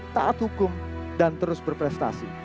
taat hukum dan terus berprestasi